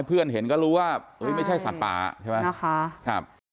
น้อยเพื่อนเห็นก็รู้ว่าไม่ใช่สัตว์ป่าใช่ไหม